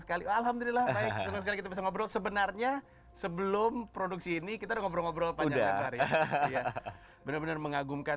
alhamdulillah sebenarnya sebelum produksi ini kita ngobrol ngobrol panjang benar benar mengagumkan